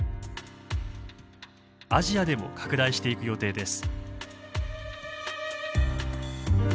アジアでも拡大していく予定です。